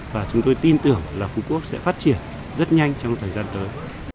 và chúng tôi tin tưởng là phú quốc sẽ phát triển rất nhanh trong thời gian tới